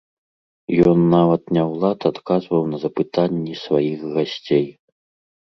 Ён нават не ў лад адказваў на запытанні сваіх гасцей.